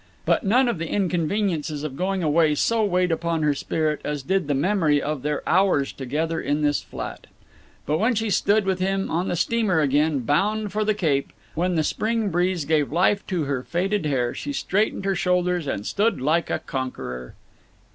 But none of the inconveniences of going away so weighed upon her spirit as did the memory of their hours together in this flat. But when she stood with him on the steamer again, bound for the Cape, when the spring breeze gave life to her faded hair, she straightened her shoulders and stood like a conqueror.